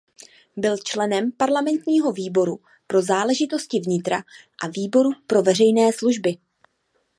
Byl členem parlamentního výboru pro záležitosti vnitra a výboru pro veřejné služby.